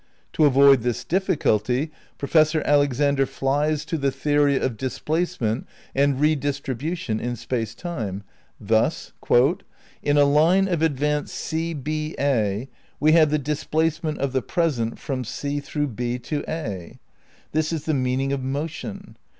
To avoid this difficulty Professor Alexander flies to the theory of displacement and re distribution in Space Time. Thus: "In a line of advance c h a we have the displacement of the pres ent from c through b to a. ... This is the meaning of motion.